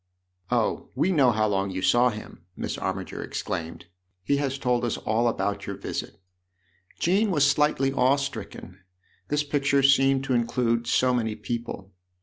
" Oh, we know how long you saw him !" Miss Armiger exclaimed. "He has told us all about your visit." Jean was slightly awe stricken : this picture seemed to include so many people.